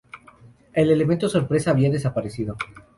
El elemento sorpresa había desaparecido.